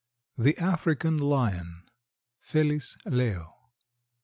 ] THE AFRICAN LION. (_Felis leo.